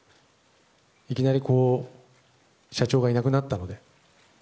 いきなり社長がいなくなったので。